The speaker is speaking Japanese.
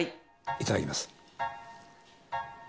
いただきます。